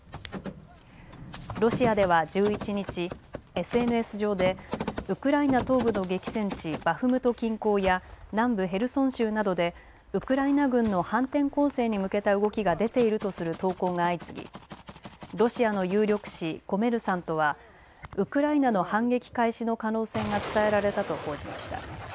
ロシアでは１１日、ＳＮＳ上でウクライナ東部の激戦地バフムト近郊や南部ヘルソン州などでウクライナ軍の反転攻勢に向けた動きが出ているとする投稿が相次ぎロシアの有力紙、コメルサントはウクライナの反撃開始の可能性が伝えられたと報じました。